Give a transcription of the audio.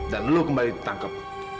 dan lo kembali ditangkap